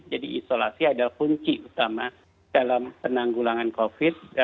jadi isolasi adalah kunci utama dalam penanggulangan covid sembilan belas